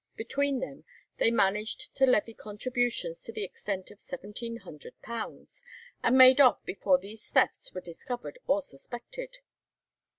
Between them they managed to levy contributions to the extent of £1700, and made off before these thefts were discovered or suspected.